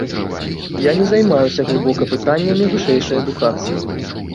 Я не займаюся глыбока пытаннямі вышэйшай адукацыі.